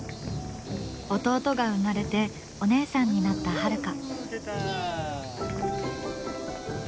弟が生まれてお姉さんになったハルカ。